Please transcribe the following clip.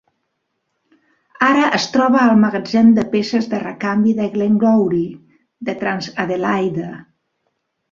Ara es troba al magatzem de peces de recanvi de Glengowrie, de TransAdelaide.